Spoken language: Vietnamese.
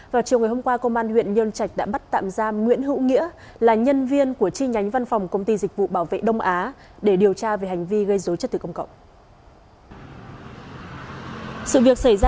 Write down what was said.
vào chiều ngày hôm qua công an huyện nhân trạch đã bắt tạm giam nguyễn hữu nghĩa là nhân viên của chi nhánh văn phòng công ty dịch vụ bảo vệ đông á để điều tra về hành vi gây dối trật tự công cộng